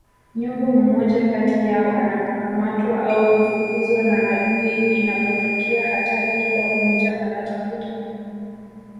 Nyumbu mmoja kati yao anapokamatwa au kufukuzwa na adui inapotokea hatari kila mmoja anatafuta